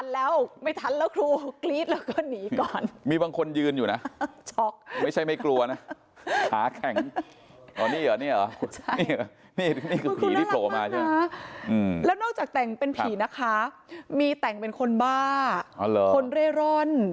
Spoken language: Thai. แล้วนอกจากแต่งเป็นผีนะคะมีแต่งเป็นคนบ้าคนเร่ร่อน